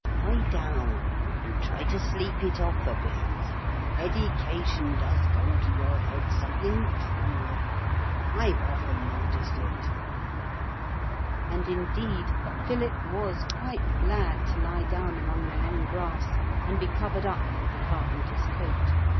Lie down and try to sleep it off a bit. Eddication does go to your head something crool. I've often noticed it.' And indeed Philip was quite glad to lie down among the long grass and be covered up with the carpenter's coat.